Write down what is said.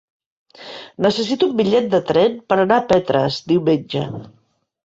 Necessito un bitllet de tren per anar a Petrés diumenge.